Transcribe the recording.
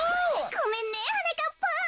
ごめんねはなかっぱん。